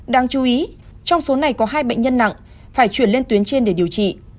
đáng chú ý trong số này có hai bệnh nhân nặng phải chuyển lên tuyến trên để điều trị